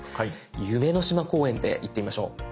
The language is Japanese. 夢の島公園でいってみましょう。